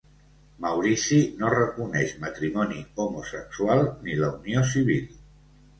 Maurici no reconeix matrimoni homosexual ni la unió civil.